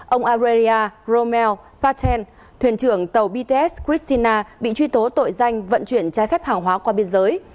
ông aleria romeo paten thuyền trưởng tàu bts christina bị truy tố tội danh vận chuyển trái phép hàng hóa qua biên giới